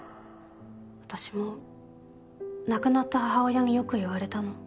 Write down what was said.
私も亡くなった母親によく言われたの。